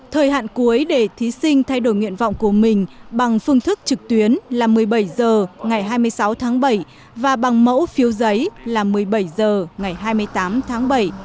thời hạn cuối để thí sinh thay đổi nguyện vọng của mình bằng phương thức trực tuyến là một mươi bảy h ngày hai mươi sáu tháng bảy và bằng mẫu phiếu giấy là một mươi bảy h ngày hai mươi tám tháng bảy